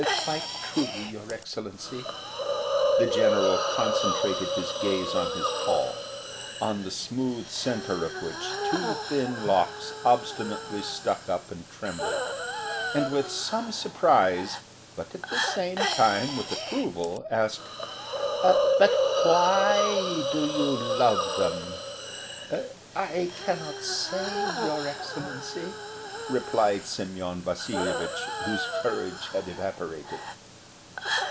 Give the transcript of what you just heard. "Quite true, your Excellency." The general concentrated his gaze on his poll, on the smooth centre of which two thin locks obstinately stuck up and trembled, and with some surprise, but at the same time with approval, asked: "But why do you love them?" "I cannot say, your Excellency," replied Semyon Vasilyevich, whose courage had evaporated.